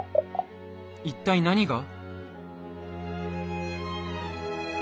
一体何が？